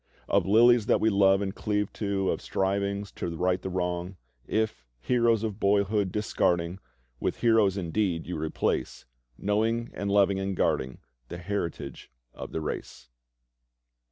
Of lilies that we love and cleave to Of strivings to right the wrong: If, heroes of boyhood discarding. With heroes indeed you replace. Knowing and loving and guarding The heritage of the race.